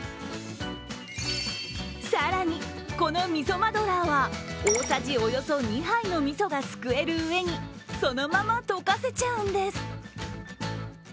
更に、この味噌ミドラーは大さじおよそ２杯のみそがすくえるうえにそのまま溶かせちゃうんです。